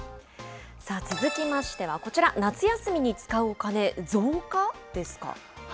さあ、続きましてはこちら、夏休みに使うお金増加？ですか。